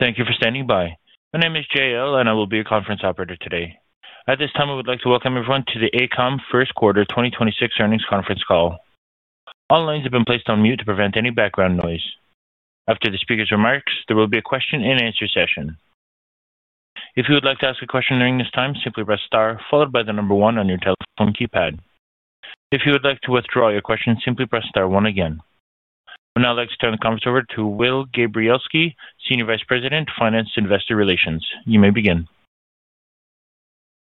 Thank you for standing by. My name is JL, and I will be your conference operator today. At this time, I would like to welcome everyone to the AECOM First Quarter 2026 Earnings Conference Call. All lines have been placed on mute to prevent any background noise. After the speaker's remarks, there will be a question-and-answer session. If you would like to ask a question during this time, simply press Star followed by the number 1 on your telephone keypad. If you would like to withdraw your question, simply press Star 1 again. I would now like to turn the conference over to Will Gabrielski, Senior Vice President, Finance and Investor Relations. You may begin.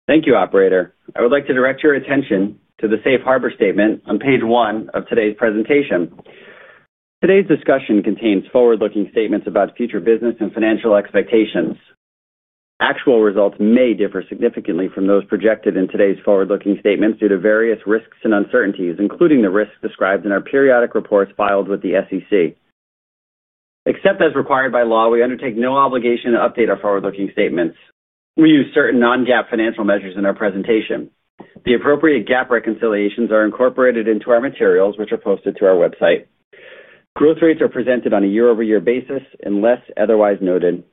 Thank you, operator. I would like to direct your attention to the safe harbor statement on page one of today's presentation. Today's discussion contains forward-looking statements about future business and financial expectations. Actual results may differ significantly from those projected in today's forward-looking statements due to various risks and uncertainties, including the risks described in our periodic reports filed with the SEC. Except as required by law, we undertake no obligation to update our forward-looking statements. We use certain non-GAAP financial measures in our presentation. The appropriate GAAP reconciliations are incorporated into our materials, which are posted to our website. Growth rates are presented on a year-over-year basis, unless otherwise noted.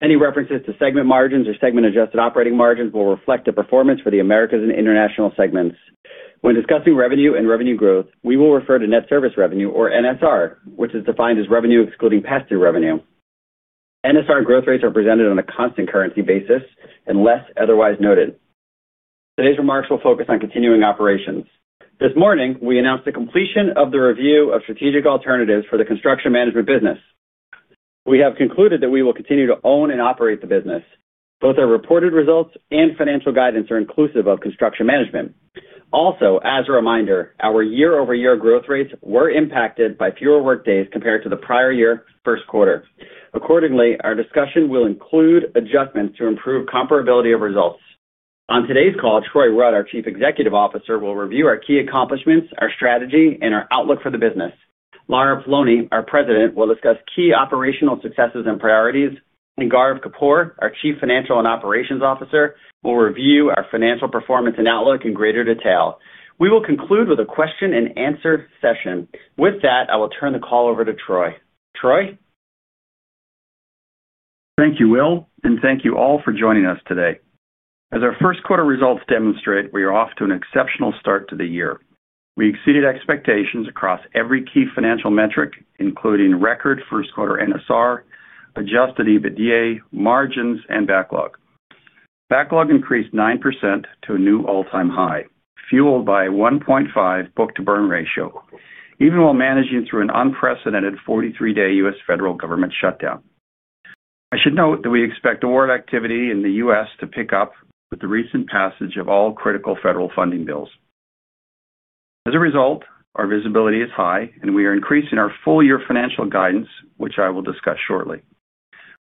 Any references to segment margins or segment-adjusted operating margins will reflect the performance for the Americas and International segments. When discussing revenue and revenue growth, we will refer to Net Service Revenue, or NSR, which is defined as revenue excluding Pass-Through Revenue. NSR growth rates are presented on a constant currency basis, unless otherwise noted. Today's remarks will focus on continuing operations. This morning, we announced the completion of the review of strategic alternatives for the construction management business. We have concluded that we will continue to own and operate the business. Both our reported results and financial guidance are inclusive of construction management. Also, as a reminder, our year-over-year growth rates were impacted by fewer workdays compared to the prior year first quarter. Accordingly, our discussion will include adjustments to improve comparability of results. On today's call, Troy Rudd, our Chief Executive Officer, will review our key accomplishments, our strategy, and our outlook for the business. Lara Poloni, our President, will discuss key operational successes and priorities, and Gaurav Kapoor, our Chief Financial and Operations Officer, will review our financial performance and outlook in greater detail. We will conclude with a question-and-answer session. With that, I will turn the call over to Troy. Troy? Thank you, Will, and thank you all for joining us today. As our first quarter results demonstrate, we are off to an exceptional start to the year. We exceeded expectations across every key financial metric, including record first quarter NSR, adjusted EBITDA, margins, and backlog. Backlog increased 9% to a new all-time high, fueled by a 1.5 book-to-burn ratio, even while managing through an unprecedented 43-day U.S. federal government shutdown. I should note that we expect award activity in the U.S. to pick up with the recent passage of all critical federal funding bills. As a result, our visibility is high, and we are increasing our full-year financial guidance, which I will discuss shortly.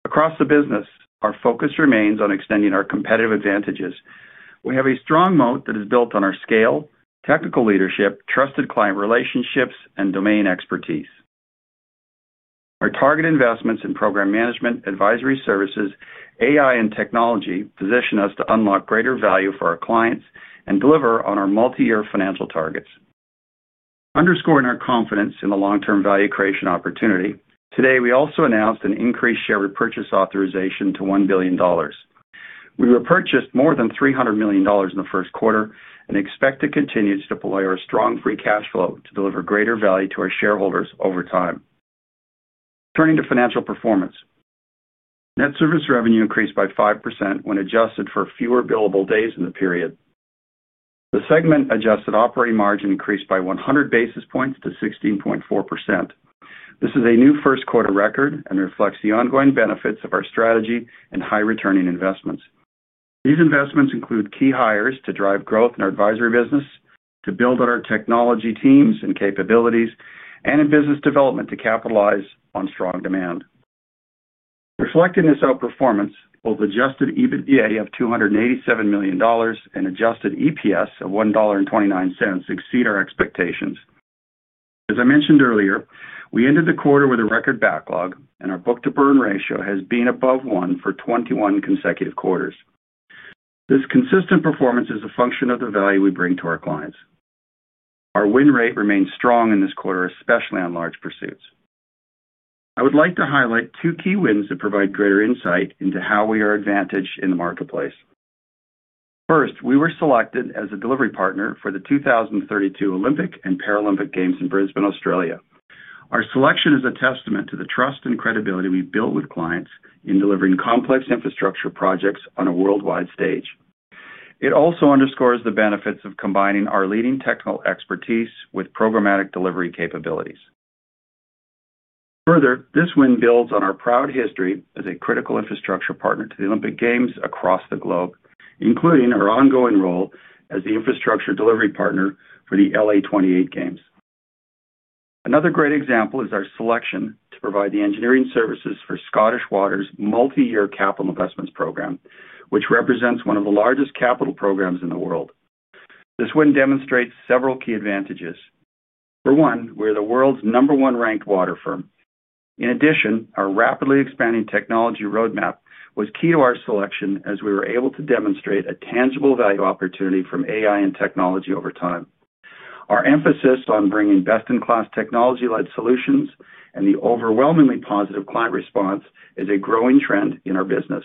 Across the business, our focus remains on extending our competitive advantages. We have a strong moat that is built on our scale, technical leadership, trusted client relationships, and domain expertise. Our target investments in program management, advisory services, AI, and technology position us to unlock greater value for our clients and deliver on our multi-year financial targets. Underscoring our confidence in the long-term value creation opportunity, today, we also announced an increased share repurchase authorization to $1 billion. We repurchased more than $300 million in the first quarter and expect to continue to deploy our strong free cash flow to deliver greater value to our shareholders over time. Turning to financial performance. Net service revenue increased by 5% when adjusted for fewer billable days in the period. The segment-adjusted operating margin increased by 100 basis points to 16.4%. This is a new first quarter record and reflects the ongoing benefits of our strategy and high-returning investments. These investments include key hires to drive growth in our advisory business, to build on our technology teams and capabilities, and in business development to capitalize on strong demand. Reflecting this outperformance, both Adjusted EBITDA of $287 million and Adjusted EPS of $1.29 exceed our expectations. As I mentioned earlier, we ended the quarter with a record backlog, and our book-to-burn ratio has been above one for 21 consecutive quarters. This consistent performance is a function of the value we bring to our clients. Our win rate remains strong in this quarter, especially on large pursuits. I would like to highlight two key wins that provide greater insight into how we are advantaged in the marketplace. First, we were selected as a delivery partner for the 2032 Olympic and Paralympic Games in Brisbane, Australia. Our selection is a testament to the trust and credibility we've built with clients in delivering complex infrastructure projects on a worldwide stage. It also underscores the benefits of combining our leading technical expertise with programmatic delivery capabilities. Further, this win builds on our proud history as a critical infrastructure partner to the Olympic Games across the globe, including our ongoing role as the infrastructure delivery partner for the LA28 Games. Another great example is our selection to provide the engineering services for Scottish Water's multi-year capital investments program, which represents one of the largest capital programs in the world. This win demonstrates several key advantages. For one, we're the world's number one ranked water firm. In addition, our rapidly expanding technology roadmap was key to our selection, as we were able to demonstrate a tangible value opportunity from AI and technology over time... Our emphasis on bringing best-in-class technology-led solutions and the overwhelmingly positive client response is a growing trend in our business,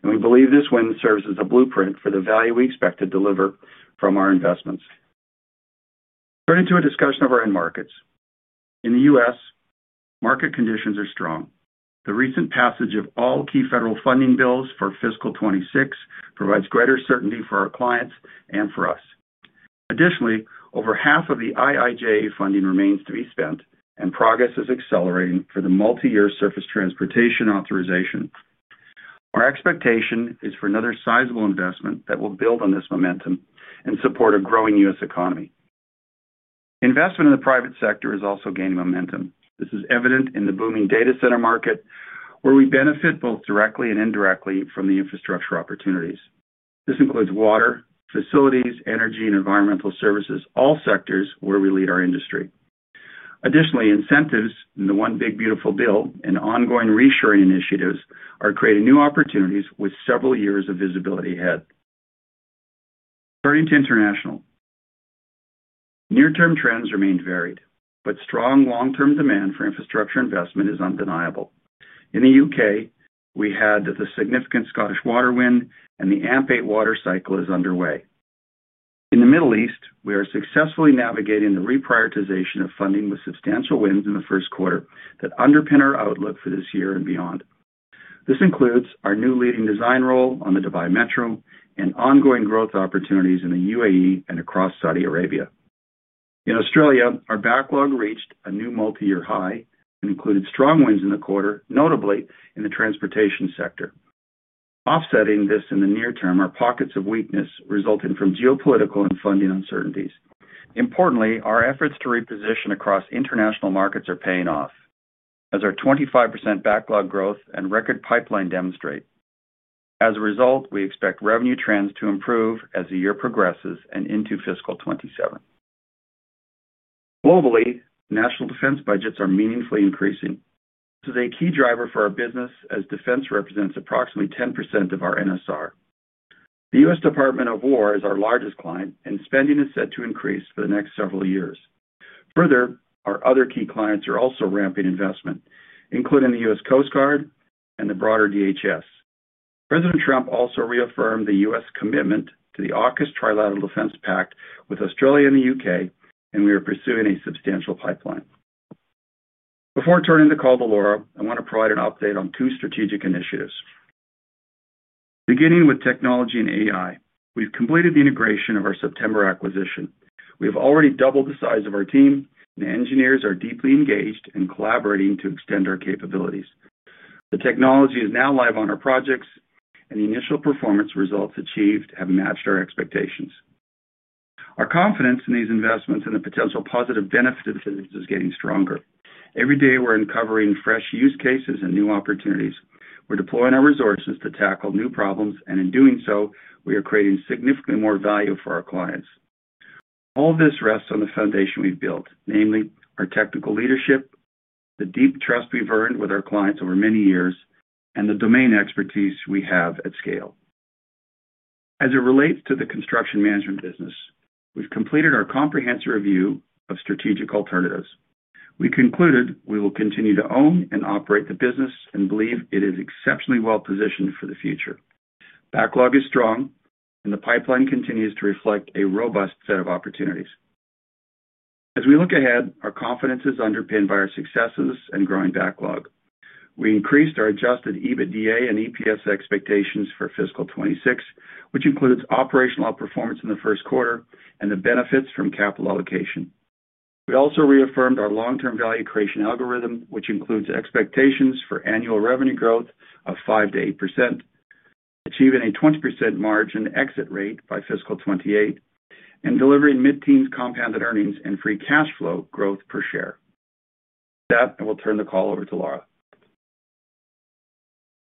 and we believe this win serves as a blueprint for the value we expect to deliver from our investments. Turning to a discussion of our end markets. In the U.S., market conditions are strong. The recent passage of all key federal funding bills for fiscal 2026 provides greater certainty for our clients and for us. Additionally, over half of the IIJA funding remains to be spent, and progress is accelerating for the multi-year Surface Transportation Authorization. Our expectation is for another sizable investment that will build on this momentum and support a growing U.S. economy. Investment in the private sector is also gaining momentum. This is evident in the booming data center market, where we benefit both directly and indirectly from the infrastructure opportunities. This includes water, facilities, energy, and environmental services, all sectors where we lead our industry. Additionally, incentives in the One Big Beautiful Deal and ongoing reshoring initiatives are creating new opportunities with several years of visibility ahead. Turning to International. Near-term trends remain varied, but strong long-term demand for infrastructure investment is undeniable. In the U.K., we had the significant Scottish Water win, and the AMP8 water cycle is underway. In the Middle East, we are successfully navigating the reprioritization of funding with substantial wins in the first quarter that underpin our outlook for this year and beyond. This includes our new leading design role on the Dubai Metro and ongoing growth opportunities in the UAE and across Saudi Arabia. In Australia, our backlog reached a new multi-year high and included strong wins in the quarter, notably in the transportation sector. Offsetting this in the near term are pockets of weakness resulting from geopolitical and funding uncertainties. Importantly, our efforts to reposition across I653nternational markets are paying off, as our 25% backlog growth and record pipeline demonstrate. As a result, we expect revenue trends to improve as the year progresses and into fiscal 2027. Globally, national defense budgets are meaningfully increasing. This is a key driver for our business, as defense represents approximately 10% of our NSR. The U.S. Department of War is our largest client, and spending is set to increase for the next several years. Further, our other key clients are also ramping investment, including the U.S. Coast Guard and the broader DHS. President Trump also reaffirmed the U.S. commitment to the AUKUS Trilateral Defense Pact with Australia and the U.K., and we are pursuing a substantial pipeline. Before turning the call to Lara, I want to provide an update on two strategic initiatives. Beginning with technology and AI, we've completed the integration of our September acquisition. We have already doubled the size of our team, and engineers are deeply engaged in collaborating to extend our capabilities. The technology is now live on our projects, and the initial performance results achieved have matched our expectations. Our confidence in these investments and the potential positive benefits is getting stronger. Every day, we're uncovering fresh use cases and new opportunities. We're deploying our resources to tackle new problems, and in doing so, we are creating significantly more value for our clients. All this rests on the foundation we've built, namely, our technical leadership, the deep trust we've earned with our clients over many years, and the domain expertise we have at scale. As it relates to the construction management business, we've completed our comprehensive review of strategic alternatives. We concluded we will continue to own and operate the business and believe it is exceptionally well positioned for the future. Backlog is strong, and the pipeline continues to reflect a robust set of opportunities. As we look ahead, our confidence is underpinned by our successes and growing backlog. We increased our Adjusted EBITDA and EPS expectations for fiscal 2026, which includes operational outperformance in the first quarter and the benefits from capital allocation. We also reaffirmed our long-term value creation algorithm, which includes expectations for annual revenue growth of 5%-8%, achieving a 20% margin exit rate by fiscal 2028, and delivering mid-teens compounded earnings and free cash flow growth per share. With that, I will turn the call over to Lara.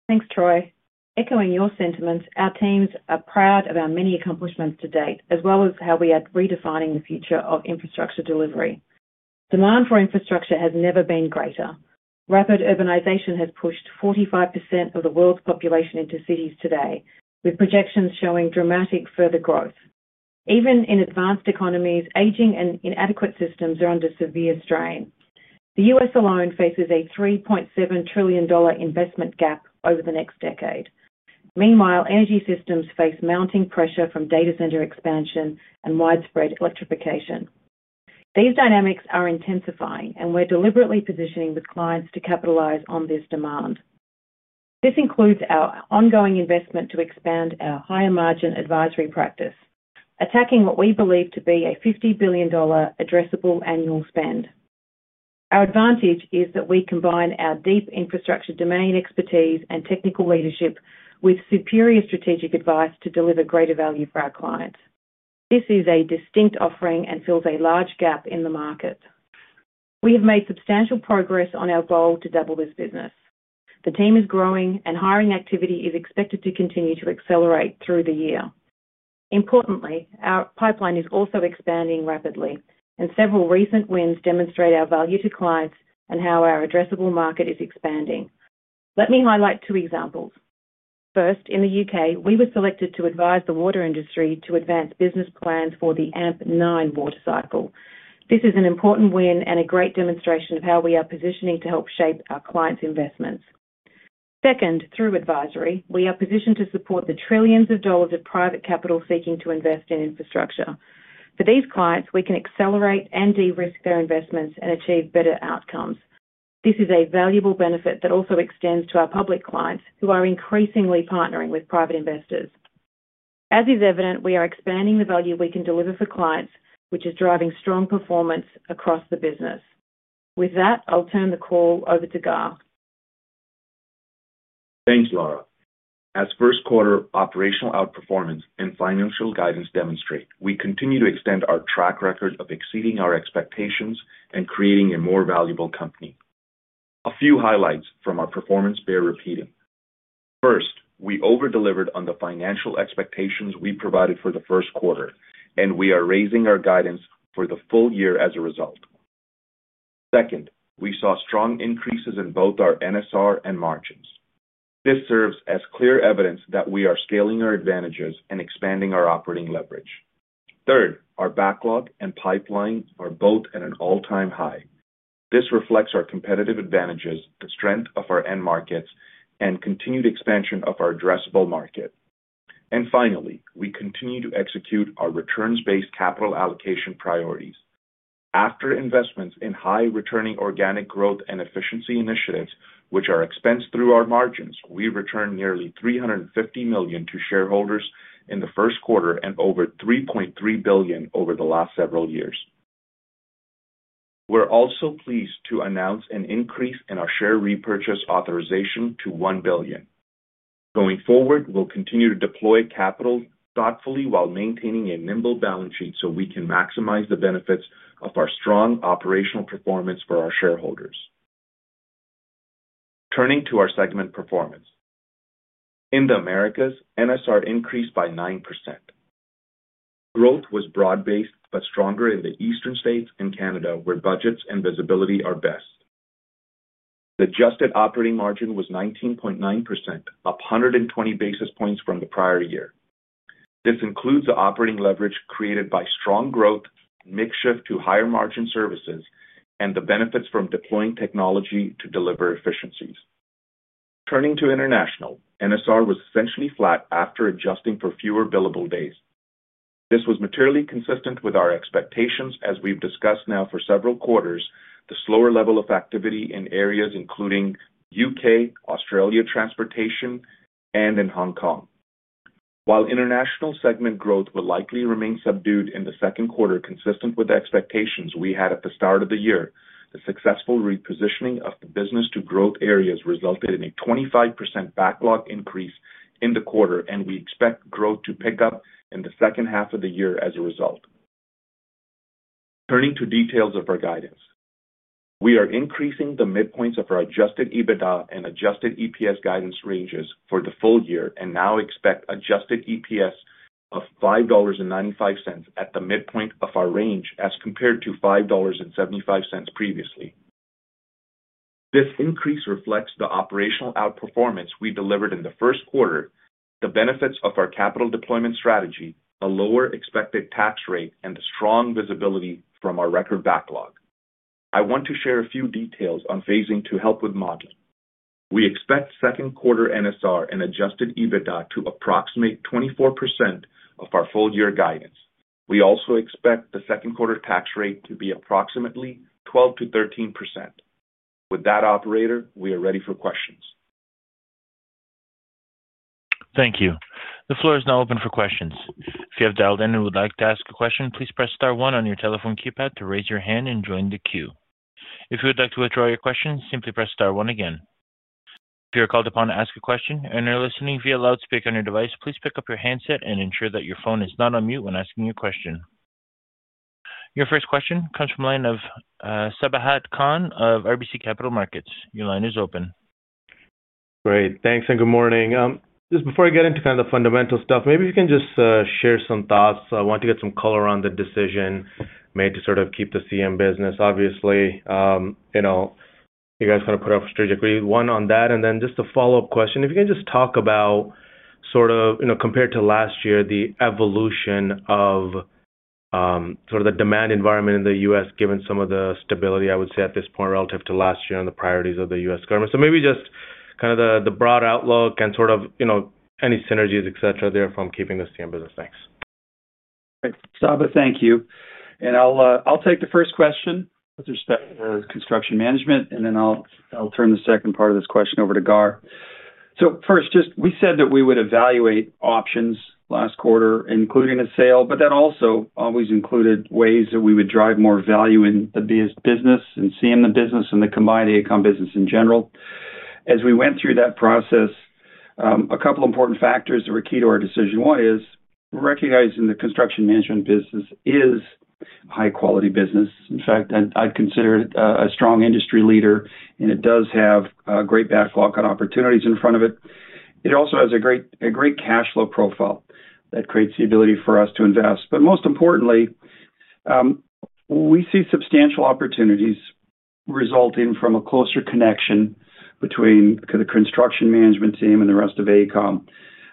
Thanks, Troy. Echoing your sentiments, our teams are proud of our many accomplishments to date, as well as how we are redefining the future of infrastructure delivery. Demand for infrastructure has never been greater. Rapid urbanization has pushed 45% of the world's population into cities today, with projections showing dramatic further growth. Even in advanced economies, aging and inadequate systems are under severe strain. The U.S. alone faces a $3.7 trillion investment gap over the next decade. Meanwhile, energy systems face mounting pressure from data center expansion and widespread electrification. These dynamics are intensifying, and we're deliberately positioning with clients to capitalize on this demand. This includes our ongoing investment to expand our higher-margin advisory practice, attacking what we believe to be a $50 billion addressable annual spend. Our advantage is that we combine our deep infrastructure, domain expertise, and technical leadership with superior strategic advice to deliver greater value for our clients. This is a distinct offering and fills a large gap in the market. We have made substantial progress on our goal to double this business. The team is growing, and hiring activity is expected to continue to accelerate through the year. Importantly, our pipeline is also expanding rapidly, and several recent wins demonstrate our value to clients and how our addressable market is expanding. Let me highlight two examples.... First, in the UK, we were selected to advise the water industry to advance business plans for the AMP9 water cycle. This is an important win and a great demonstration of how we are positioning to help shape our clients' investments. Second, through advisory, we are positioned to support the $ trillions of private capital seeking to invest in infrastructure. For these clients, we can accelerate and de-risk their investments and achieve better outcomes. This is a valuable benefit that also extends to our public clients, who are increasingly partnering with private investors. As is evident, we are expanding the value we can deliver for clients, which is driving strong performance across the business. With that, I'll turn the call over to Gaurav. Thanks, Lara. As first quarter operational outperformance and financial guidance demonstrate, we continue to extend our track record of exceeding our expectations and creating a more valuable company. A few highlights from our performance bear repeating. First, we over-delivered on the financial expectations we provided for the first quarter, and we are raising our guidance for the full year as a result. Second, we saw strong increases in both our NSR and margins. This serves as clear evidence that we are scaling our advantages and expanding our operating leverage. Third, our backlog and pipeline are both at an all-time high. This reflects our competitive advantages, the strength of our end markets, and continued expansion of our addressable market. And finally, we continue to execute our returns-based capital allocation priorities. After investments in high-returning organic growth and efficiency initiatives, which are expensed through our margins, we returned nearly $350 million to shareholders in the first quarter and over $3.3 billion over the last several years. We're also pleased to announce an increase in our share repurchase authorization to $1 billion. Going forward, we'll continue to deploy capital thoughtfully while maintaining a nimble balance sheet, so we can maximize the benefits of our strong operational performance for our shareholders. Turning to our segment performance. In the Americas, NSR increased by 9%. Growth was broad-based, but stronger in the eastern states and Canada, where budgets and visibility are best. The adjusted operating margin was 19.9%, up 120 basis points from the prior year. This includes the operating leverage created by strong growth, mix shift to higher margin services, and the benefits from deploying technology to deliver efficiencies. Turning to International, NSR was essentially flat after adjusting for fewer billable days. This was materially consistent with our expectations, as we've discussed now for several quarters, the slower level of activity in areas including UK, Australia, transportation, and in Hong Kong. While International segment growth will likely remain subdued in the second quarter, consistent with the expectations we had at the start of the year, the successful repositioning of the business to growth areas resulted in a 25% backlog increase in the quarter, and we expect growth to pick up in the second half of the year as a result. Turning to details of our guidance. We are increasing the midpoints of our adjusted EBITDA and adjusted EPS guidance ranges for the full year and now expect adjusted EPS of $5.95 at the midpoint of our range, as compared to $5.75 previously. This increase reflects the operational outperformance we delivered in the first quarter, the benefits of our capital deployment strategy, a lower expected tax rate, and the strong visibility from our record backlog. I want to share a few details on phasing to help with modeling. We expect second quarter NSR and adjusted EBITDA to approximate 24% of our full-year guidance. We also expect the second quarter tax rate to be approximately 12%-13%. With that, operator, we are ready for questions. Thank you. The floor is now open for questions. If you have dialed in and would like to ask a question, please press star one on your telephone keypad to raise your hand and join the queue. If you would like to withdraw your question, simply press star one again. If you are called upon to ask a question and are listening via loudspeaker on your device, please pick up your handset and ensure that your phone is not on mute when asking your question. Your first question comes from the line of Sabahat Khan of RBC Capital Markets. Your line is open. Great. Thanks, and good morning. Just before I get into kind of the fundamental stuff, maybe you can just share some thoughts. I want to get some color on the decision made to sort of keep the CM business. Obviously, you know, you guys kind of put up strategically one on that. And then just a follow-up question, if you can just talk about sort of, you know, compared to last year, the evolution of sort of the demand environment in the US, given some of the stability, I would say, at this point, relative to last year and the priorities of the US government. So maybe just kind of the broad outlook and sort of, you know, any synergies, et cetera, there from keeping the CM business. Thanks. Saba, thank you. And I'll, I'll take the first question with respect to construction management, and then I'll, I'll turn the second part of this question over to Gaurav. So first, just we said that we would evaluate options last quarter, including a sale, but that also always included ways that we would drive more value in the business and CM the business and the combined AECOM business in general. As we went through that process, a couple important factors that were key to our decision. One is recognizing the construction management business is high-quality business. In fact, I'd consider it a strong industry leader, and it does have great backlog and opportunities in front of it. It also has a great cash flow profile that creates the ability for us to invest. But most importantly, we see substantial opportunities-... resulting from a closer connection between the construction management team and the rest of AECOM.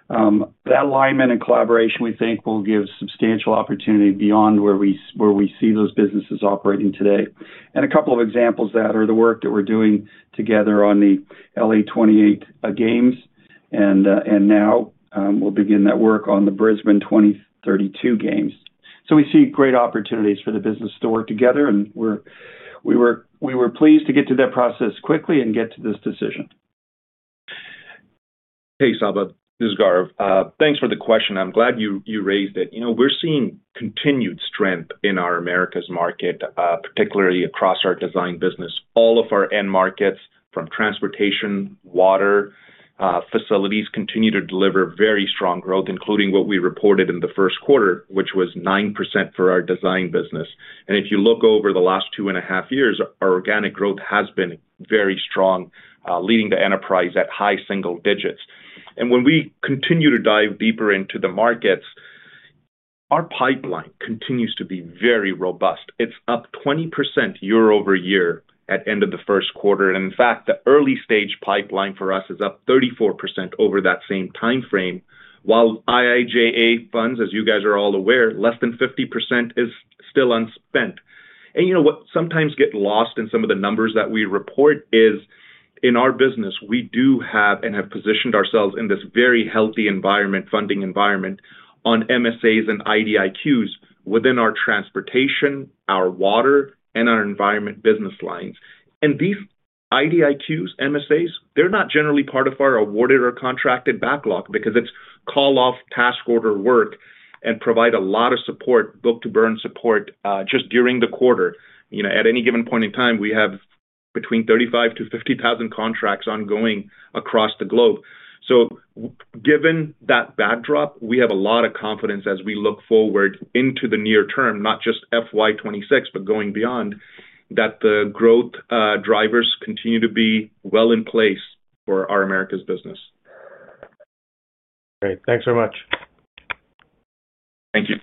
That alignment and collaboration, we think, will give substantial opportunity beyond where we see those businesses operating today. And a couple of examples of that are the work that we're doing together on the LA28 Games, and now we'll begin that work on the Brisbane 2032 Games. So we see great opportunities for the business to work together, and we were pleased to get to that process quickly and get to this decision. Hey, Saba, this is Gaurav. Thanks for the question. I'm glad you, you raised it. You know, we're seeing continued strength in our Americas market, particularly across our design business. All of our end markets, from transportation, water, facilities, continue to deliver very strong growth, including what we reported in the first quarter, which was 9% for our design business. And if you look over the last two and a half years, our organic growth has been very strong, leading the enterprise at high single digits. And when we continue to dive deeper into the markets, our pipeline continues to be very robust. It's up 20% year-over-year at end of the first quarter. In fact, the early stage pipeline for us is up 34% over that same timeframe, while IIJA funds, as you guys are all aware, less than 50% is still unspent. You know what? Sometimes get lost in some of the numbers that we report is, in our business, we do have and have positioned ourselves in this very healthy environment, funding environment, on MSAs and IDIQs within our transportation, our water, and our environment business lines. These IDIQs, MSAs, they're not generally part of our awarded or contracted backlog because it's call off task order work and provide a lot of support, book-to-burn support, just during the quarter. You know, at any given point in time, we have between 35,000-50,000 contracts ongoing across the globe. So given that backdrop, we have a lot of confidence as we look forward into the near term, not just FY 26, but going beyond, that the growth drivers continue to be well in place for our Americas business. Great. Thanks so much. Thank you.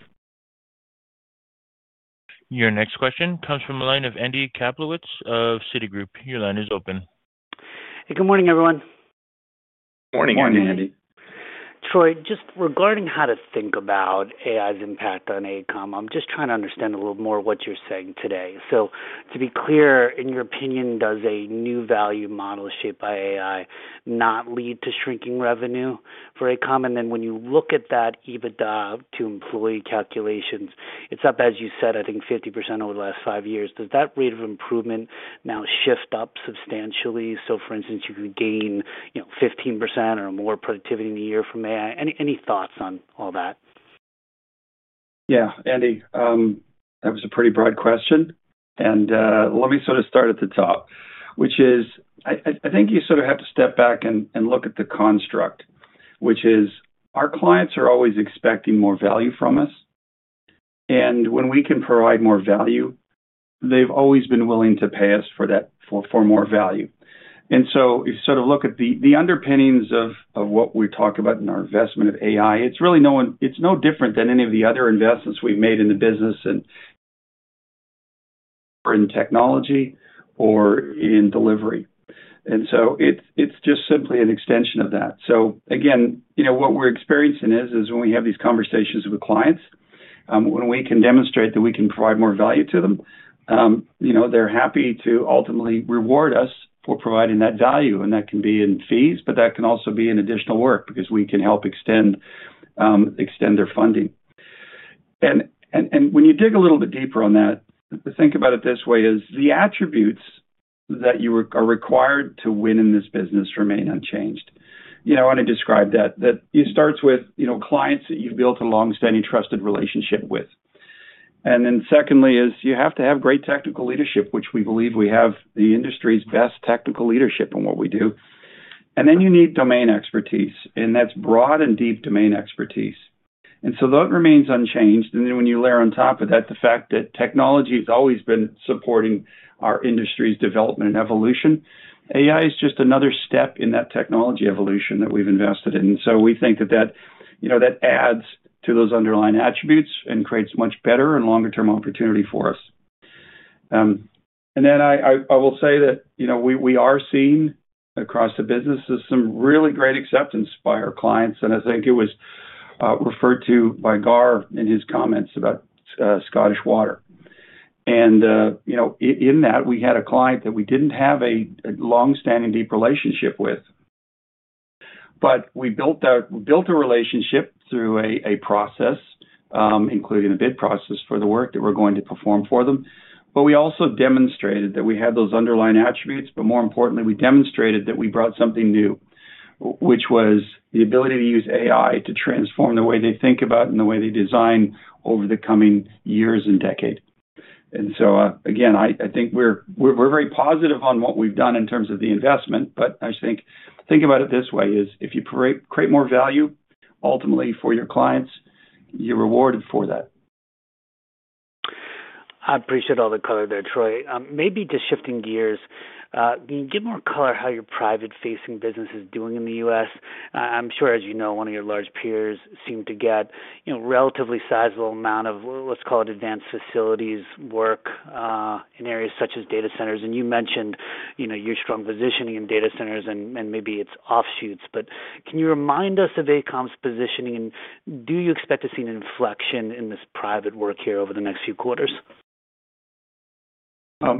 Your next question comes from the line of Andy Kaplowitz of Citigroup. Your line is open. Good morning, everyone. Morning, Andy. Morning. Troy, just regarding how to think about AI's impact on AECOM, I'm just trying to understand a little more what you're saying today. So to be clear, in your opinion, does a new value model shaped by AI not lead to shrinking revenue for AECOM? And then when you look at that EBITDA to employee calculations, it's up, as you said, I think, 50% over the last 5 years. Does that rate of improvement now shift up substantially? So, for instance, you could gain, you know, 15% or more productivity in a year from AI. Any, any thoughts on all that? Yeah, Andy, that was a pretty broad question, and let me sort of start at the top, which is I think you sort of have to step back and look at the construct, which is our clients are always expecting more value from us, and when we can provide more value, they've always been willing to pay us for that-for more value. And so you sort of look at the underpinnings of what we talk about in our investment of AI, it's really no different than any of the other investments we've made in the business and in technology or in delivery. And so it's just simply an extension of that. So again, you know, what we're experiencing is when we have these conversations with clients, when we can demonstrate that we can provide more value to them, you know, they're happy to ultimately reward us for providing that value. And that can be in fees, but that can also be in additional work because we can help extend their funding. And when you dig a little bit deeper on that, think about it this way, the attributes that you are required to win in this business remain unchanged. You know, I want to describe that it starts with, you know, clients that you've built a long-standing, trusted relationship with. And then secondly, you have to have great technical leadership, which we believe we have the industry's best technical leadership in what we do. And then you need domain expertise, and that's broad and deep domain expertise. And so that remains unchanged. And then when you layer on top of that, the fact that technology has always been supporting our industry's development and evolution, AI is just another step in that technology evolution that we've invested in. So we think that that, you know, that adds to those underlying attributes and creates much better and longer term opportunity for us. And then I will say that, you know, we are seeing across the business some really great acceptance by our clients, and I think it was referred to by Gaurav in his comments about Scottish Water. You know, in that, we had a client that we didn't have a long-standing, deep relationship with, but we built a relationship through a process, including a bid process for the work that we're going to perform for them. But we also demonstrated that we had those underlying attributes, but more importantly, we demonstrated that we brought something new, which was the ability to use AI to transform the way they think about and the way they design over the coming years and decade. And so, again, I think we're very positive on what we've done in terms of the investment, but I think about it this way: if you create more value, ultimately for your clients, you're rewarded for that. I appreciate all the color there, Troy. Maybe just shifting gears. Can you give more color how your private-facing business is doing in the U.S.? I'm sure, as you know, one of your large peers seemed to get, you know, relatively sizable amount of, let's call it, advanced facilities work, in areas such as data centers. And you mentioned, you know, your strong positioning in data centers and, and maybe its offshoots, but can you remind us of AECOM's positioning, and do you expect to see an inflection in this private work here over the next few quarters?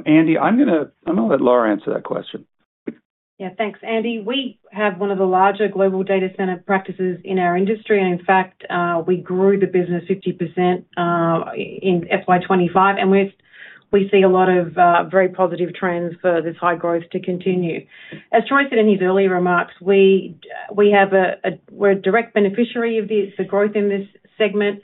Andy, I'm gonna let Lara answer that question. Yeah, thanks, Andy. We have one of the larger global data center practices in our industry. And in fact, we grew the business 50%, in FY 2025, and we see a lot of very positive trends for this high growth to continue. As Troy said in his earlier remarks, we have a-- we're a direct beneficiary of this, the growth in this segment,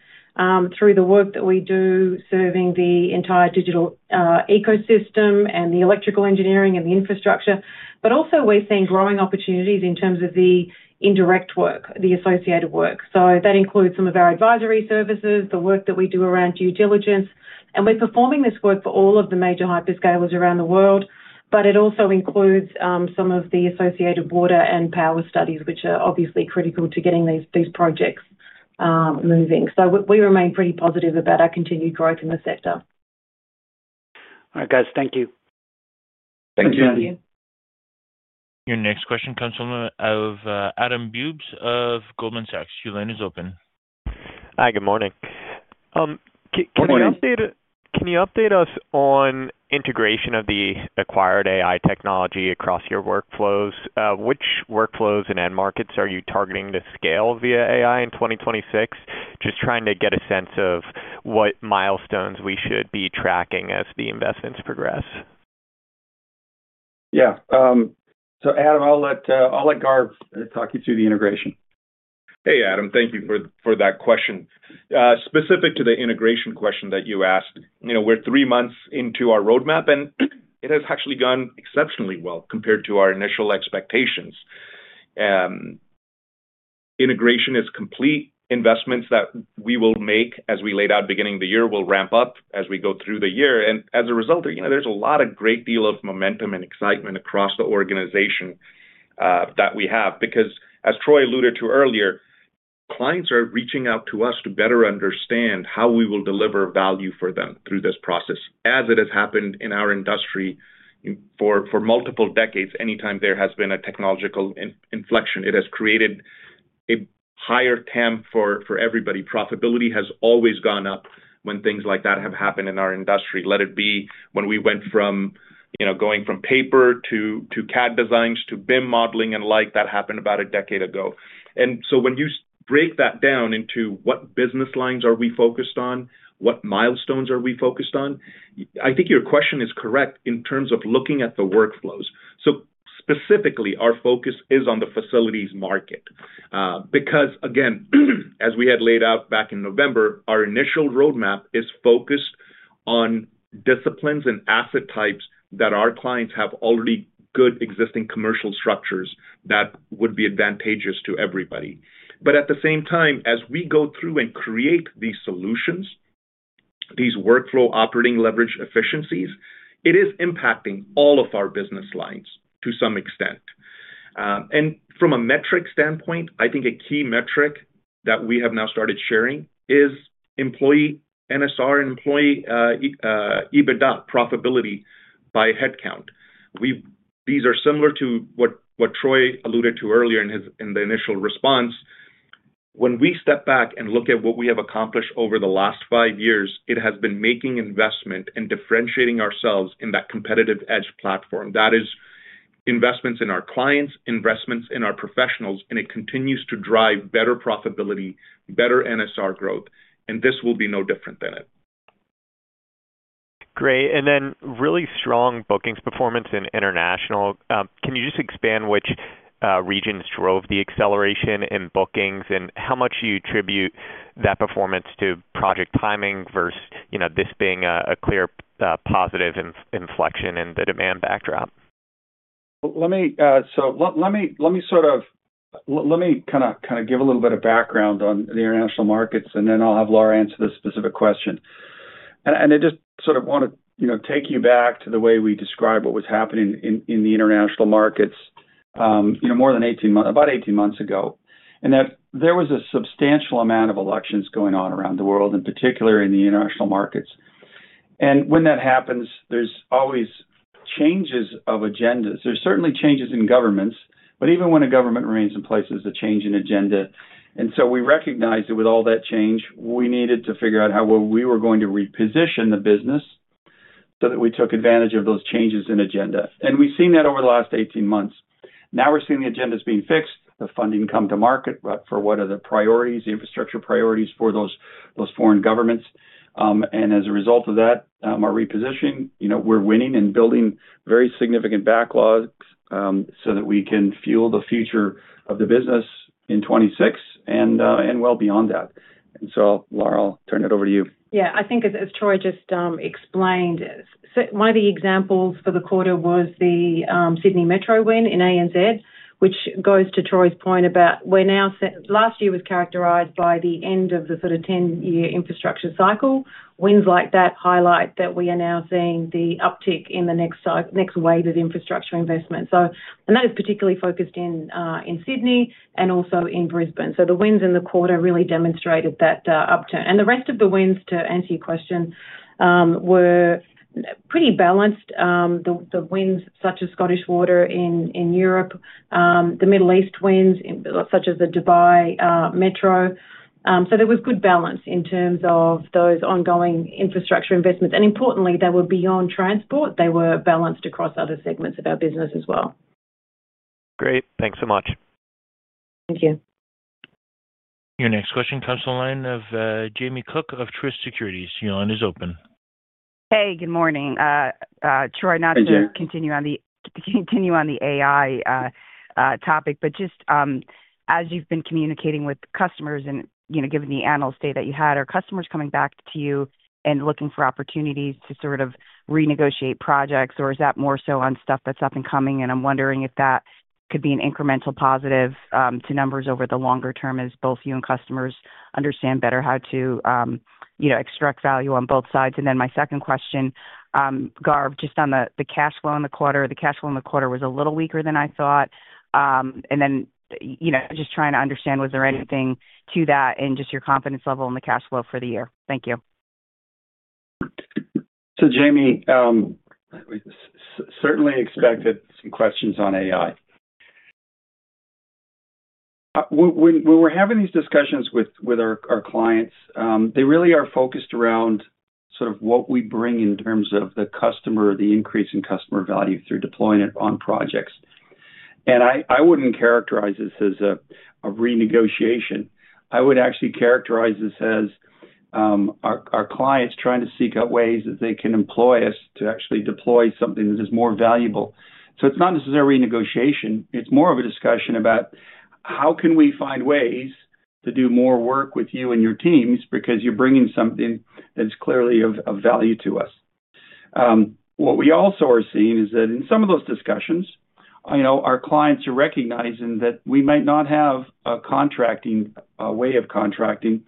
through the work that we do, serving the entire digital ecosystem and the electrical engineering and the infrastructure. But also we're seeing growing opportunities in terms of the indirect work, the associated work. So that includes some of our advisory services, the work that we do around due diligence, and we're performing this work for all of the major hyperscalers around the world. But it also includes some of the associated water and power studies, which are obviously critical to getting these projects moving. So we remain pretty positive about our continued growth in the sector. All right, guys. Thank you. Thanks, Andy. Thank you. Your next question comes from Adam Bubes of Goldman Sachs. Your line is open. Hi, good morning. Good morning. Can you update us, can you update us on integration of the acquired AI technology across your workflows? Which workflows and end markets are you targeting to scale via AI in 2026? Just trying to get a sense of what milestones we should be tracking as the investments progress. Yeah, so Adam, I'll let Gaurav talk you through the integration. Hey, Adam, thank you for that question. Specific to the integration question that you asked, you know, we're three months into our roadmap, and it has actually gone exceptionally well compared to our initial expectations. Integration is complete. Investments that we will make, as we laid out beginning of the year, will ramp up as we go through the year. And as a result, you know, there's a lot of great deal of momentum and excitement across the organization that we have. Because, as Troy alluded to earlier, clients are reaching out to us to better understand how we will deliver value for them through this process. As it has happened in our industry for multiple decades, anytime there has been a technological inflection, it has created a higher TAM for everybody. Profitability has always gone up when things like that have happened in our industry, let it be when we went from, you know, going from paper to CAD designs, to BIM modeling and the like, that happened about a decade ago. So when you break that down into what business lines are we focused on, what milestones are we focused on, I think your question is correct in terms of looking at the workflows. Specifically, our focus is on the facilities market. Because again, as we had laid out back in November, our initial roadmap is focused on disciplines and asset types that our clients have already good existing commercial structures that would be advantageous to everybody. But at the same time, as we go through and create these solutions, these workflow operating leverage efficiencies, it is impacting all of our business lines to some extent. And from a metric standpoint, I think a key metric that we have now started sharing is employee NSR and employee EBITDA profitability by headcount. These are similar to what Troy alluded to earlier in his initial response. When we step back and look at what we have accomplished over the last five years, it has been making investment and differentiating ourselves in that competitive edge platform. That is, investments in our clients, investments in our professionals, and it continues to drive better profitability, better NSR growth, and this will be no different than it. Great. And then really strong bookings performance in International. Can you just expand which regions drove the acceleration in bookings? And how much do you attribute that performance to project timing versus, you know, this being a clear positive inflection in the demand backdrop? Let me kind of give a little bit of background on the International markets, and then I'll have Lara answer this specific question. And I just sort of wanna, you know, take you back to the way we described what was happening in the International markets, you know, more than 18 months, about 18 months ago. And that there was a substantial amount of elections going on around the world, in particular in the International markets. And when that happens, there's always changes of agendas. There's certainly changes in governments, but even when a government remains in place, there's a change in agenda. And so we recognized that with all that change, we needed to figure out how well we were going to reposition the business, so that we took advantage of those changes in agenda. And we've seen that over the last 18 months. Now, we're seeing the agendas being fixed, the funding come to market, but for what are the priorities, the infrastructure priorities for those, those foreign governments. And as a result of that, our repositioning, you know, we're winning and building very significant backlogs, so that we can fuel the future of the business in 2026... and, and well beyond that. And so, Laura, I'll turn it over to you. Yeah, I think as Troy just explained, so one of the examples for the quarter was the Sydney Metro win in ANZ, which goes to Troy's point about where now last year was characterized by the end of the sort of ten-year infrastructure cycle. Wins like that highlight that we are now seeing the uptick in the next next wave of infrastructure investment. So, and that is particularly focused in Sydney and also in Brisbane. So the wins in the quarter really demonstrated that uptick. And the rest of the wins, to answer your question, were pretty balanced. The wins such as Scottish Water in Europe, the Middle East wins, such as the Dubai Metro. So there was good balance in terms of those ongoing infrastructure investments. And importantly, they were beyond transport. They were balanced across other segments of our business as well. Great. Thanks so much. Thank you. Your next question comes on the line of Jamie Cook of Truist Securities. Your line is open. Hey, good morning. Troy- Hey, Jamie. Not to continue on the, continue on the AI topic, but just as you've been communicating with customers and, you know, given the analyst day that you had, are customers coming back to you and looking for opportunities to sort of renegotiate projects? Or is that more so on stuff that's up and coming, and I'm wondering if that could be an incremental positive to numbers over the longer term as both you and customers understand better how to, you know, extract value on both sides. And then my second question, Gaurav, just on the, the cash flow in the quarter. The cash flow in the quarter was a little weaker than I thought. And then, you know, just trying to understand, was there anything to that and just your confidence level in the cash flow for the year? Thank you. So, Jamie, we certainly expected some questions on AI. When we're having these discussions with our clients, they really are focused around sort of what we bring in terms of the customer, the increase in customer value through deploying it on projects. And I wouldn't characterize this as a renegotiation. I would actually characterize this as our clients trying to seek out ways that they can employ us to actually deploy something that is more valuable. So it's not necessarily a renegotiation, it's more of a discussion about how can we find ways to do more work with you and your teams because you're bringing something that's clearly of value to us. What we also are seeing is that in some of those discussions, you know, our clients are recognizing that we might not have a way of contracting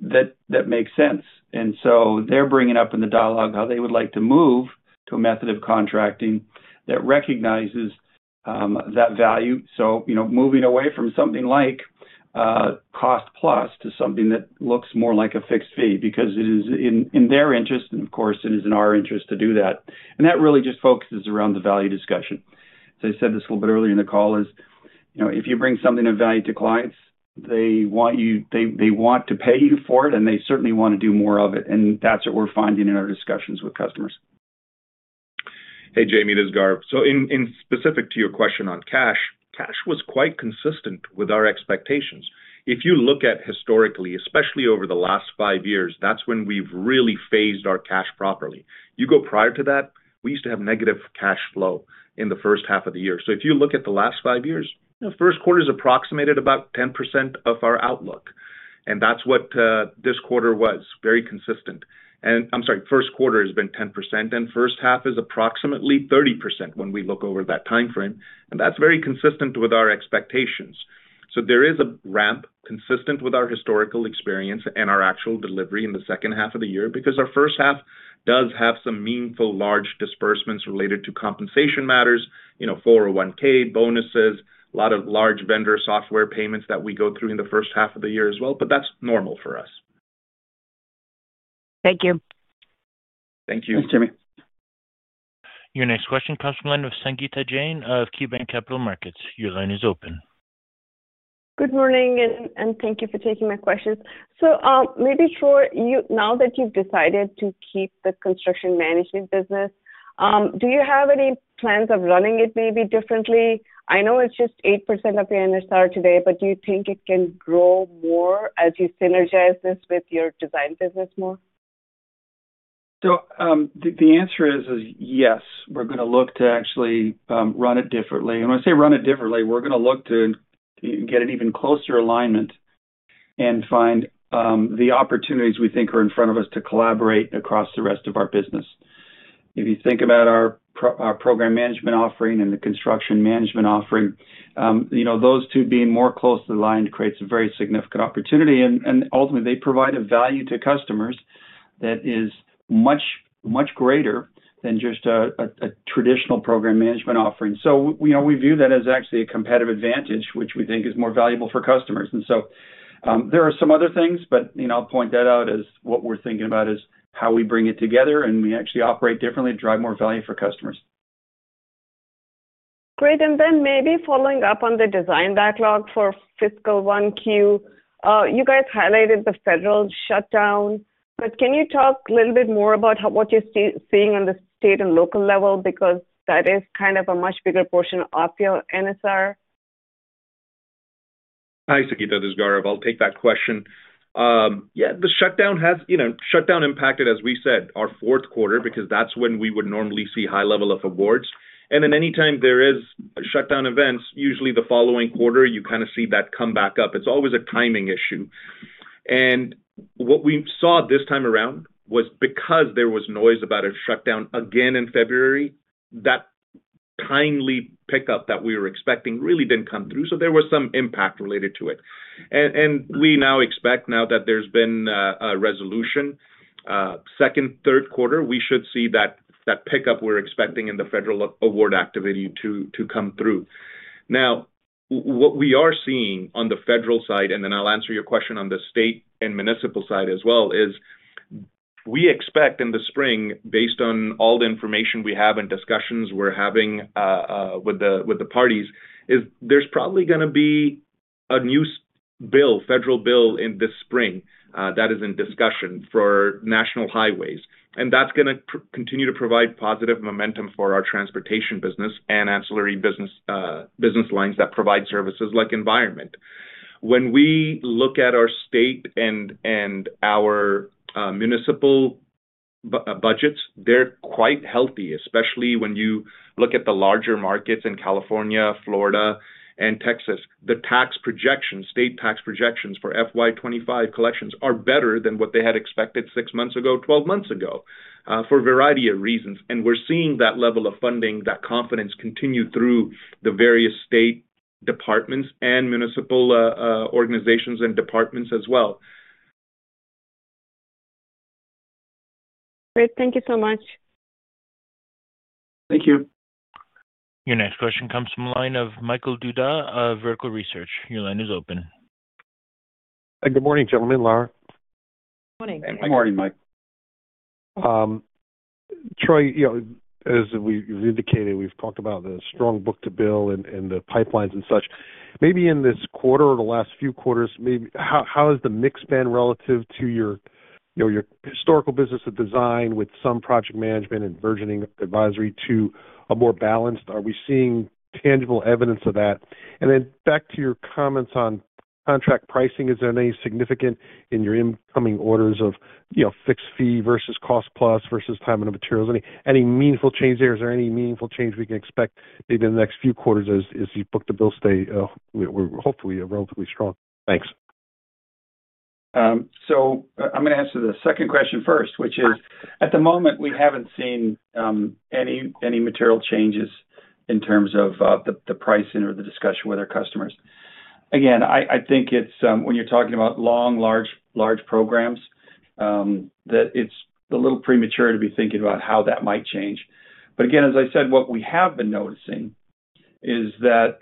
that makes sense. And so they're bringing up in the dialogue how they would like to move to a method of contracting that recognizes that value. So, you know, moving away from something like cost plus to something that looks more like a fixed fee, because it is in their interest, and of course, it is in our interest to do that. And that really just focuses around the value discussion. I said this a little bit earlier in the call, you know, if you bring something of value to clients, they want you, they, they want to pay you for it, and they certainly wanna do more of it, and that's what we're finding in our discussions with customers. Hey, Jamie, this is Gaurav. So in specific to your question on cash, cash was quite consistent with our expectations. If you look at historically, especially over the last five years, that's when we've really phased our cash properly. You go prior to that, we used to have negative cash flow in the first half of the year. So if you look at the last five years, the first quarter is approximated about 10% of our outlook, and that's what this quarter was, very consistent. And I'm sorry, first quarter has been 10%, and first half is approximately 30% when we look over that timeframe, and that's very consistent with our expectations. So there is a ramp consistent with our historical experience and our actual delivery in the second half of the year, because our first half does have some meaningful large disbursements related to compensation matters, you know, 401(k) bonuses, a lot of large vendor software payments that we go through in the first half of the year as well, but that's normal for us. Thank you. Thank you. Thanks, Jamie. Your next question comes from line of Sangita Jain of KeyBanc Capital Markets. Your line is open. Good morning, and thank you for taking my questions. So, maybe Troy, you now that you've decided to keep the construction management business, do you have any plans of running it maybe differently? I know it's just 8% of the NSR today, but do you think it can grow more as you synergize this with your design business more? So, the answer is yes. We're gonna look to actually run it differently. When I say run it differently, we're gonna look to get an even closer alignment and find the opportunities we think are in front of us to collaborate across the rest of our business. If you think about our program management offering and the construction management offering, you know, those two being more closely aligned creates a very significant opportunity, and ultimately, they provide a value to customers that is much, much greater than just a traditional program management offering. So you know, we view that as actually a competitive advantage, which we think is more valuable for customers. There are some other things, but, you know, I'll point that out as what we're thinking about is how we bring it together and we actually operate differently to drive more value for customers. Great, and then maybe following up on the design backlog for fiscal 1Q. You guys highlighted the federal shutdown, but can you talk a little bit more about how, what you're seeing on the state and local level? Because that is kind of a much bigger portion of your NSR. Hi, Sangita, this is Gaurav. I'll take that question. Yeah, the shutdown has, you know, shutdown impacted, as we said, our fourth quarter, because that's when we would normally see high level of awards. And then anytime there is shutdown events, usually the following quarter, you kind of see that come back up. It's always a timing issue. And what we saw this time around was because there was noise about a shutdown again in February, that timely pickup that we were expecting really didn't come through. So there was some impact related to it. And we now expect, now that there's been a resolution, second, third quarter, we should see that pickup we're expecting in the federal award activity to come through. Now, what we are seeing on the federal side, and then I'll answer your question on the state and municipal side as well, is we expect in the spring, based on all the information we have and discussions we're having with the parties, is there's probably gonna be a new bill, federal bill, in this spring that is in discussion for national highways. And that's gonna continue to provide positive momentum for our transportation business and ancillary business lines that provide services like environment. When we look at our state and our municipal budgets, they're quite healthy, especially when you look at the larger markets in California, Florida, and Texas. The tax projections, state tax projections for FY 2025 collections are better than what they had expected six months ago, 12 months ago, for a variety of reasons. We're seeing that level of funding, that confidence, continue through the various state departments and municipal organizations and departments as well. Great. Thank you so much. Thank you. Your next question comes from the line of Michael Dudas of Vertical Research. Your line is open. Good morning, gentlemen. Lara. Morning. Good morning, Mike. Troy, you know, as we've indicated, we've talked about the strong book-to-bill and the pipelines and such. Maybe in this quarter or the last few quarters, maybe how has the mix been relative to your, you know, your historical business of design with some project management and versus advisory to a more balanced? Are we seeing tangible evidence of that? And then back to your comments on contract pricing, is there any significant in your incoming orders of, you know, fixed fee versus cost plus versus time and materials? Any meaningful change there? Is there any meaningful change we can expect maybe in the next few quarters as you book-to-bill stay hopefully relatively strong? Thanks. So I'm gonna answer the second question first, which is, at the moment, we haven't seen any, any material changes in terms of the, the pricing or the discussion with our customers. Again, I, I think it's when you're talking about long, large, large programs that it's a little premature to be thinking about how that might change. But again, as I said,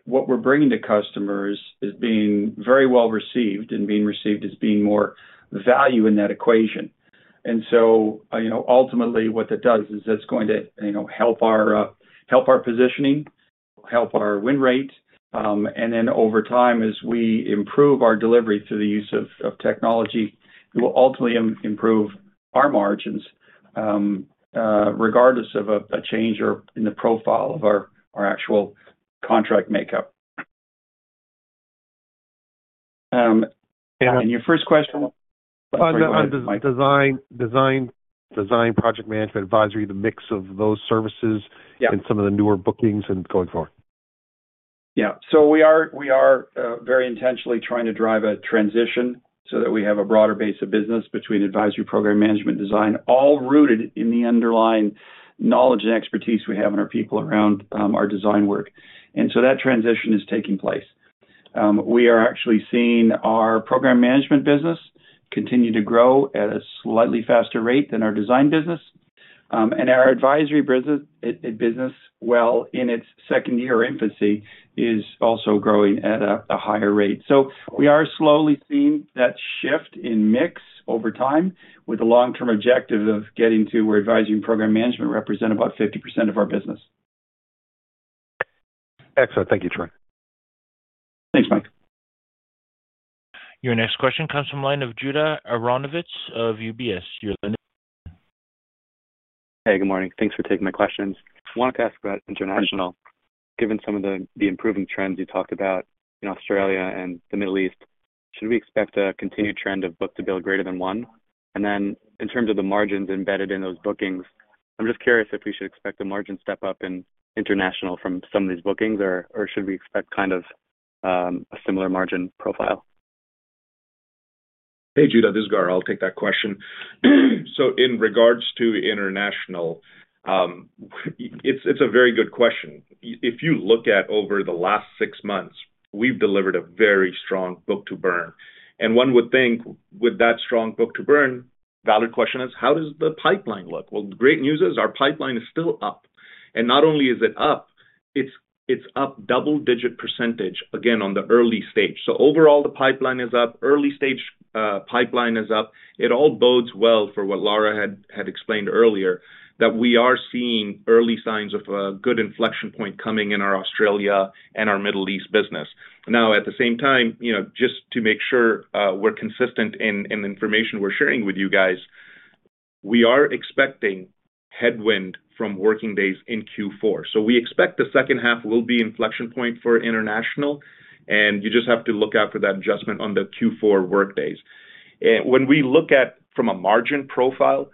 what we're bringing to customers is being very well received and being received as being more value in that equation. And so, you know, ultimately, what that does is that's going to, you know, help our positioning, help our win rate, and then over time, as we improve our delivery through the use of technology, it will ultimately improve our margins, regardless of a change or in the profile of our actual contract makeup. And your first question? On the design, project management, advisory, the mix of those services- and some of the newer bookings and going forward. Yeah. So we are very intentionally trying to drive a transition so that we have a broader base of business between advisory program management design, all rooted in the underlying knowledge and expertise we have in our people around our design work. And so that transition is taking place. We are actually seeing our program management business continue to grow at a slightly faster rate than our design business. And our advisory business, well, in its second year infancy, is also growing at a higher rate. So we are slowly seeing that shift in mix over time with the long-term objective of getting to where advisory and program management represent about 50% of our business. Excellent. Thank you, Troy. Thanks, Mike. Your next question comes from line of Judah Aronovich of UBS. Your line is open. Hey, good morning. Thanks for taking my questions. Wanted to ask about International. Given some of the improving trends you talked about in Australia and the Middle East, should we expect a continued trend of book-to-bill greater than one? And then in terms of the margins embedded in those bookings, I'm just curious if we should expect a margin step up in International from some of these bookings, or should we expect kind of a similar margin profile? Hey, Judah, this is Gaurav. I'll take that question. So in regards to International, it's a very good question. If you look at over the last six months, we've delivered a very strong book-to-burn. And one would think with that strong book-to-burn, valid question is: How does the pipeline look? Well, the great news is our pipeline is still up. And not only is it up, it's up double-digit %, again, on the early stage. So overall, the pipeline is up, early stage, pipeline is up. It all bodes well for what Lara had explained earlier, that we are seeing early signs of a good inflection point coming in our Australia and our Middle East business. Now, at the same time, you know, just to make sure, we're consistent in, in the information we're sharing with you guys, we are expecting headwind from working days in Q4. So we expect the second half will be inflection point for International, and you just have to look out for that adjustment on the Q4 workdays. When we look at from a margin profile...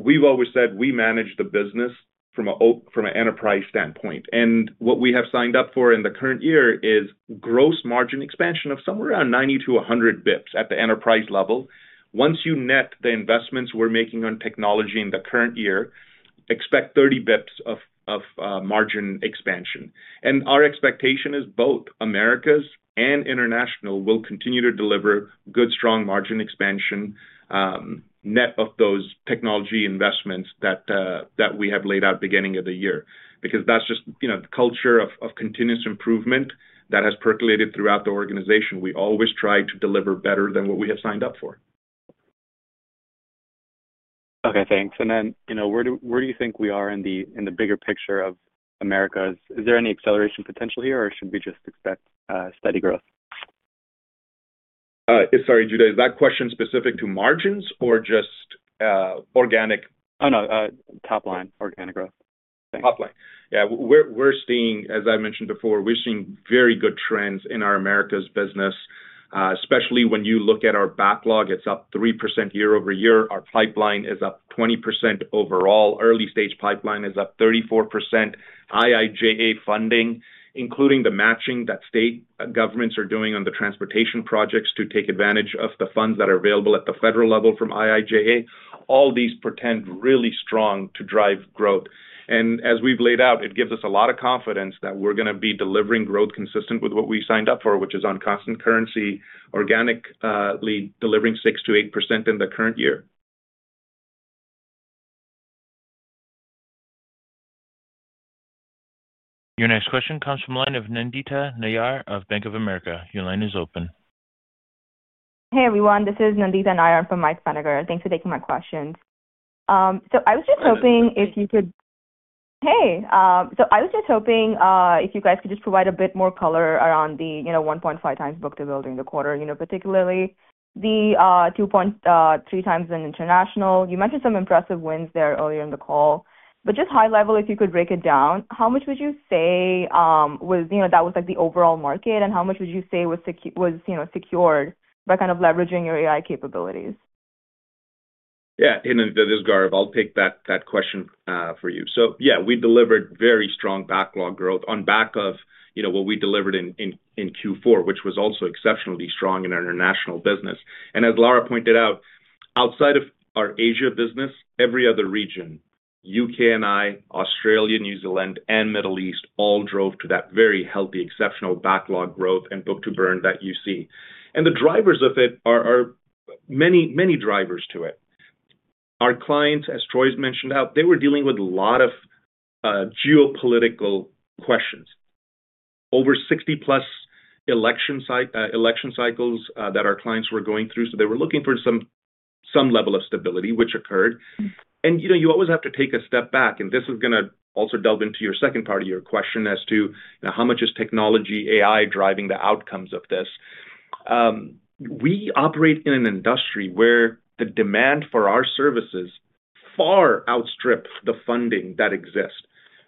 We've always said we manage the business from an enterprise standpoint, and what we have signed up for in the current year is gross margin expansion of somewhere around 90-100 basis points at the enterprise level. Once you net the investments we're making on technology in the current year, expect 30 basis points of, of, margin expansion. Our expectation is both Americas and International will continue to deliver good, strong margin expansion, net of those technology investments that we have laid out beginning of the year, because that's just, you know, the culture of continuous improvement that has percolated throughout the organization. We always try to deliver better than what we have signed up for. Okay, thanks. And then, you know, where do you think we are in the bigger picture of Americas? Is there any acceleration potential here, or should we just expect steady growth? Sorry, Judah, is that question specific to margins or just organic? Oh, no, top line, organic growth. Top line. Yeah, we're seeing, as I mentioned before, we're seeing very good trends in our Americas business, especially when you look at our backlog, it's up 3% year-over-year. Our pipeline is up 20% overall. Early stage pipeline is up 34%. IIJA funding, including the matching that state governments are doing on the transportation projects to take advantage of the funds that are available at the federal level from IIJA, all these portend really strong to drive growth. And as we've laid out, it gives us a lot of confidence that we're gonna be delivering growth consistent with what we signed up for, which is on constant currency, organically delivering 6%-8% in the current year. Your next question comes from the line of Nandita Nayar of Bank of America. Your line is open. Hey, everyone, this is Nandita Nayar from Mike Feniger. Thanks for taking my questions. So I was just hoping if you guys could just provide a bit more color around the, you know, 1.5x book-to-burn ratio in the quarter, you know, particularly the 2.3x in international. You mentioned some impressive wins there earlier in the call. But just high level, if you could break it down, how much would you say was, you know, that was like the overall market, and how much would you say was, you know, secured by kind of leveraging your AI capabilities? Yeah. Hey, this is Gaurav. I'll take that question for you. So yeah, we delivered very strong backlog growth on back of, you know, what we delivered in Q4, which was also exceptionally strong in our international business. And as Lara pointed out, outside of our Asia business, every other region, UK&I, Australia, New Zealand, and Middle East, all drove to that very healthy, exceptional backlog growth and book-to-burn that you see. And the drivers of it are many, many drivers to it. Our clients, as Troy mentioned, they were dealing with a lot of geopolitical questions. Over 60+ election cycles that our clients were going through, so they were looking for some level of stability which occurred. You know, you always have to take a step back, and this is gonna also delve into your second part of your question as to, you know, how much is technology, AI, driving the outcomes of this? We operate in an industry where the demand for our services far outstrip the funding that exists,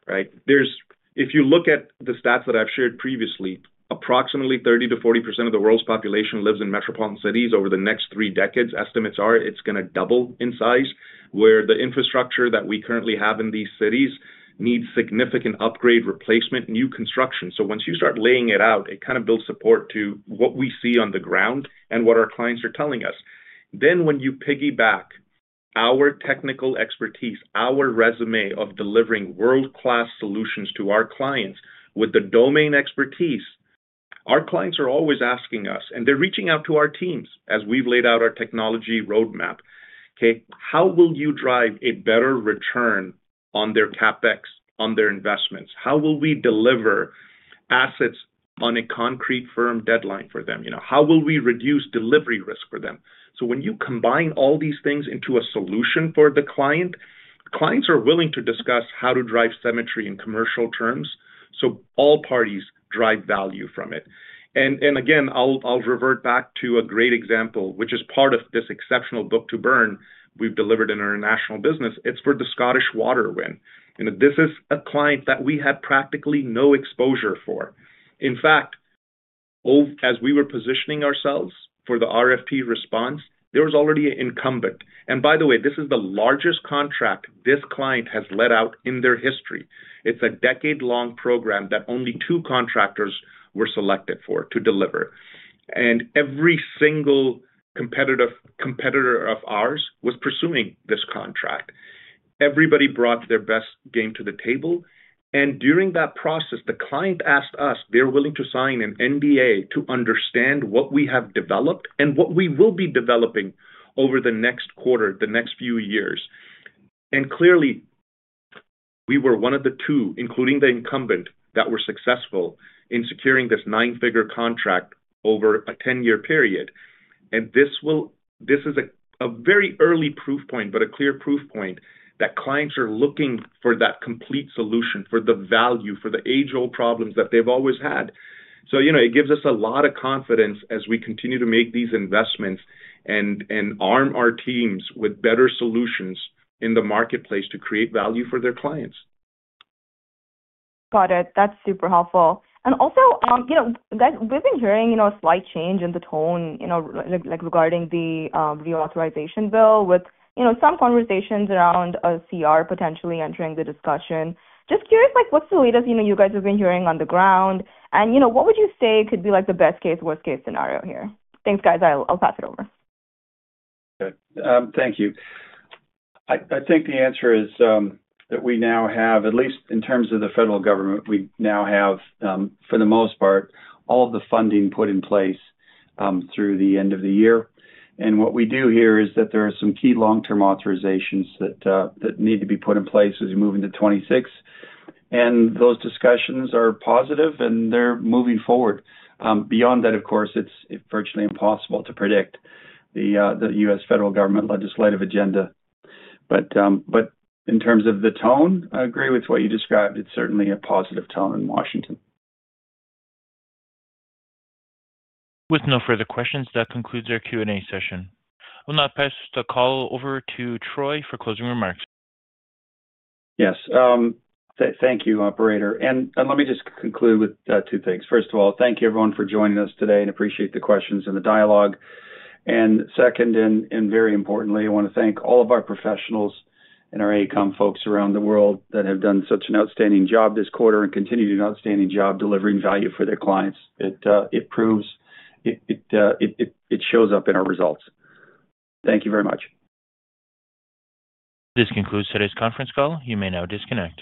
right? There is. If you look at the stats that I've shared previously, approximately 30%-40% of the world's population lives in metropolitan cities. Over the next three decades, estimates are it's gonna double in size, where the infrastructure that we currently have in these cities needs significant upgrade, replacement, new construction. So once you start laying it out, it kind of builds support to what we see on the ground and what our clients are telling us. Then, when you piggyback our technical expertise, our résumé of delivering world-class solutions to our clients with the domain expertise, our clients are always asking us, and they're reaching out to our teams as we've laid out our technology roadmap, "Okay, how will you drive a better return on their CapEx, on their investments? How will we deliver assets on a concrete, firm deadline for them? You know, how will we reduce delivery risk for them?" So when you combine all these things into a solution for the client, clients are willing to discuss how to drive symmetry in commercial terms, so all parties drive value from it. And again, I'll revert back to a great example, which is part of this exceptional book-to-burn we've delivered in our international business. It's for the Scottish Water win. You know, this is a client that we had practically no exposure for. In fact, oh, as we were positioning ourselves for the RFP response, there was already an incumbent. By the way, this is the largest contract this client has let out in their history. It's a decade-long program that only two contractors were selected for to deliver, and every single competitor of ours was pursuing this contract. Everybody brought their best game to the table, and during that process, the client asked us, they're willing to sign an NDA to understand what we have developed and what we will be developing over the next quarter, the next few years. Clearly, we were one of the two, including the incumbent, that were successful in securing this nine-figure contract over a ten-year period. And this will... This is a very early proof point, but a clear proof point, that clients are looking for that complete solution, for the value, for the age-old problems that they've always had. So, you know, it gives us a lot of confidence as we continue to make these investments and arm our teams with better solutions in the marketplace to create value for their clients. Got it. That's super helpful. And also, you know, guys, we've been hearing, you know, a slight change in the tone, you know, like regarding the authorization bill with, you know, some conversations around CR potentially entering the discussion. Just curious, like, what's the latest, you know, you guys have been hearing on the ground? And, you know, what would you say could be, like, the best-case, worst-case scenario here? Thanks, guys. I'll pass it over. Good. Thank you. I think the answer is that we now have, at least in terms of the federal government, we now have, for the most part, all of the funding put in place through the end of the year. And what we do hear is that there are some key long-term authorizations that need to be put in place as we move into 2026, and those discussions are positive, and they're moving forward. Beyond that, of course, it's virtually impossible to predict the U.S. federal government legislative agenda. But in terms of the tone, I agree with what you described. It's certainly a positive tone in Washington. With no further questions, that concludes our Q&A session. I'll now pass the call over to Troy for closing remarks. Yes. Thank you, operator. Let me just conclude with two things. First of all, thank you, everyone, for joining us today and appreciate the questions and the dialogue. Second, and very importantly, I wanna thank all of our professionals and our AECOM folks around the world that have done such an outstanding job this quarter and continue to do an outstanding job delivering value for their clients. It proves. It shows up in our results. Thank you very much. This concludes today's conference call. You may now disconnect.